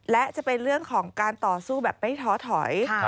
และจะเป็นเรื่องของการต่อสู้แบบไม่ท้อถอย